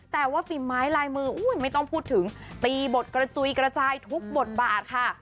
แต่ว่าฝีไม้ลายมือไม่ต้องพูดถึงตีบทกระจุยกระจายทุกบทบาทค่ะ